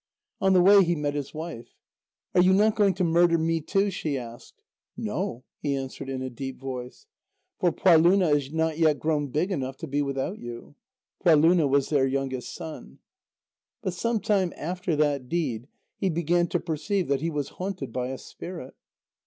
On the way he met his wife. "Are you not going to murder me, too?" she asked. "No," he answered in a deep voice. "For Pualúna is not yet grown big enough to be without you." Pualúna was their youngest son. But some time after that deed he began to perceive that he was haunted by a spirit.